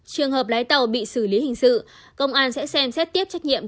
trường hợp lái tàu bị xử lý hình sự công an sẽ xem xét tiếp trách nhiệm